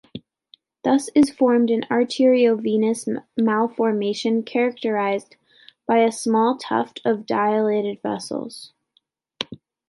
Thus is formed an arteriovenous malformation characterized by a small tuft of dilated vessels.